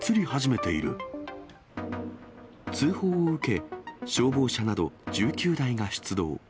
通報を受け、消防車など１９台が出動。